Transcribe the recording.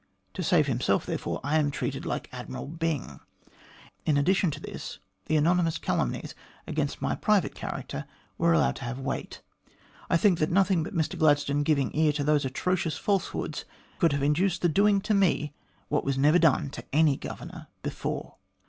To save himself, therefore, I am treated like Admiral Byng. In addition to this, the anonymous calumnies against my private character were allowed to have weight. I think that nothing but Mr Gladstone giving ear to those atrocious falsehoods could have induced the doing to me what never was done to any Governor before.